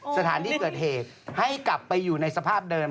สถานที่เกิดเหตุให้กลับไปอยู่ในสภาพเดิม